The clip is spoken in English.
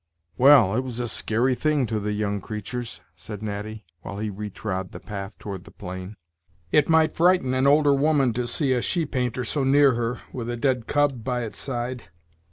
"Well, it was a skeary thing to the young creatur's," said Natty, while he retrod the path toward the plain. "It might frighten an older woman, to see a she painter so near her, with a dead cub by its side.